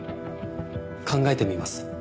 考えてみます。